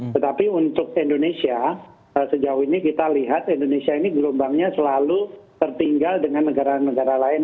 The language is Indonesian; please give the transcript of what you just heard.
tetapi untuk indonesia sejauh ini kita lihat indonesia ini gelombangnya selalu tertinggal dengan negara negara lain